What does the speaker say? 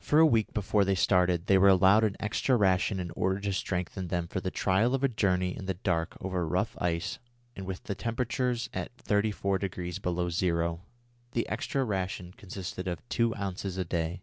For a week before they started they were allowed an extra ration in order to strengthen them for the trial of a journey in the dark over rough ice and with the temperature at 34° below zero. The extra ration consisted of two ounces a day.